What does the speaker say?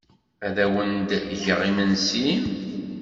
Ad awen-d-geɣ imensi?